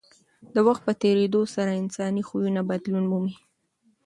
د وخت په تېرېدو سره انساني خویونه بدلون مومي.